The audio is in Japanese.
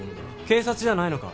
警察じゃないのか？